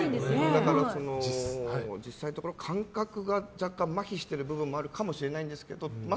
だから、実際のところ感覚が若干まひしてるところがあるかもしれないんですけど。